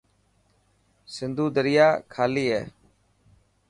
سنڌو دريا خلي هي.